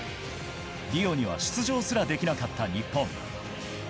リオには出場すらできなかった日本。